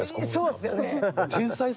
そうですよね。